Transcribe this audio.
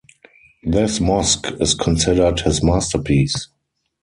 This mosque is considered his masterpiece.